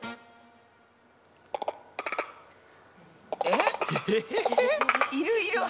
えっ！